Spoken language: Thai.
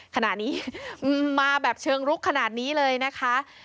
ขณะนี้มาแบบเชิงลุกขนาดนี้เลยนะคะ